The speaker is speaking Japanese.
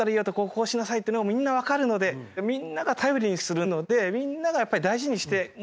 こうしなさい」っていうのがみんな分かるのでみんなが頼りにするのでみんなからやっぱり大事にしてもらったんですね。